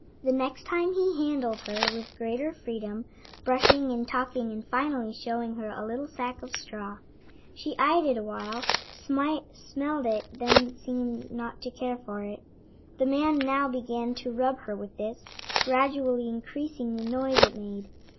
The next time he handled her with greater freedom, brushing and talking and finally showing her a little sack of straw. She eyed it awhile, smelled it and then seemed not to care for it. The man now began to rub her with this, gradually increasing the noise it made.